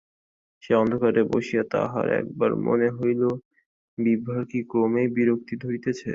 সেই অন্ধকারে বসিয়া তাঁহার একবার মনে হইল, বিভার কি ক্রমেই বিরক্তি ধরিতেছে?